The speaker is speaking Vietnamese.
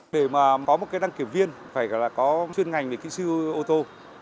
vì mà có một cái đăng kiểm viên phải có chuyên ngành về kỹ sư ô tô